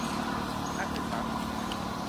นักศึกษาฝึกงาน